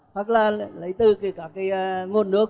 hoặc là lấy từ cái cả cái nguồn nước